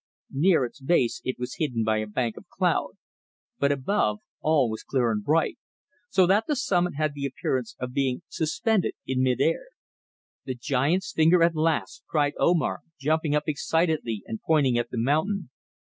Near its base it was hidden by a bank of cloud, but above all was clear and bright, so that the summit had the appearance of being suspended in mid air. "The Giant's Finger at last!" cried Omar, jumping up excitedly and pointing at the mountain.